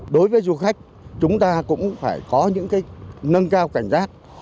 đối với du khách chúng ta cũng phải có những nâng cao cảnh giác